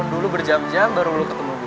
kalau dulu berjam jam baru lo ketemu gue